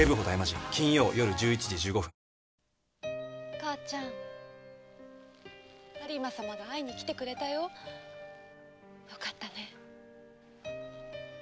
母ちゃん有馬様が会いに来てくれたよ。よかったね。